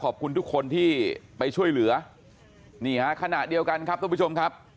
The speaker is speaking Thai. ขอบคุณทุกคนที่ไปช่วยเหลือนี่ฮะขณะเดียวกันครับทุกผู้ชมครับ